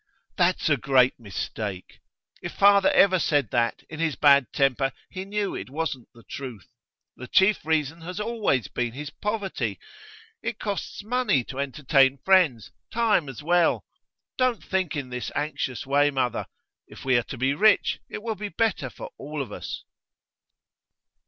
'That's a great mistake. If father ever said that, in his bad temper, he knew it wasn't the truth. The chief reason has always been his poverty. It costs money to entertain friends; time as well. Don't think in this anxious way, mother. If we are to be rich, it will be better for all of us.